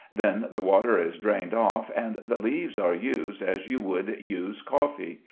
Then the water is drained off, and the leaves are used as you would use coffee.